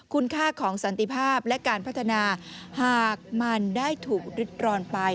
คุณค่าของสันติภาพและการพัฒนาหากมันได้ถูกริดร้อนไป